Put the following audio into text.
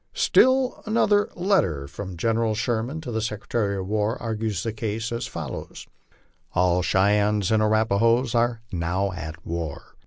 Still another letter from General Sherman to the Secretary of War argues the case as follows :" All the Cheyennes and Arapahoes are now at war.